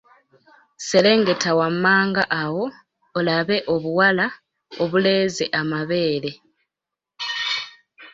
Serengeta wammanga awo olabe obuwala obuleeze amabeere.